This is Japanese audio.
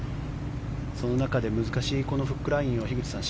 その中で難しいフックラインを樋口さん